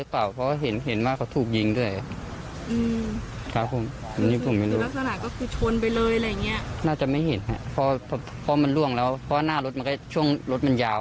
เพราะมันร่วงแล้วเพราะหน้ารถช่วงรถมันยาว